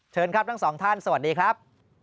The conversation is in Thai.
เชิญครับทั้งสองท่านสวัสดีครับ